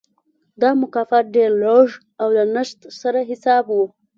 دا مکافات ډېر لږ او له نشت سره حساب و.